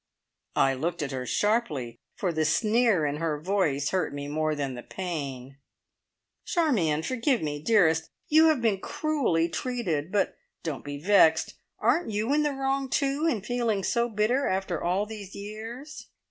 I looked at her sharply, for the sneer in her voice hurt me more than the pain. "Charmion! Forgive me, dearest. You have been cruelly treated, but don't be vexed aren't you in the wrong, too, in feeling so bitter after all these years?"